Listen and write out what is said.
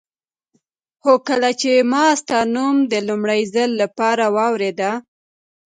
هو کله چې ما ستا نوم د لومړي ځل لپاره واورېده.